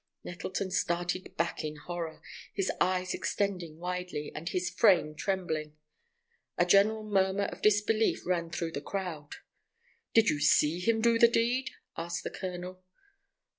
Nettleton started back in horror, his eyes extending widely, and his frame trembling. A general murmur of disbelief ran through the crowd. "Did you see him do the deed?" asked the colonel.